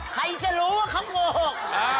ใครจะรู้ว่าเขาโกหก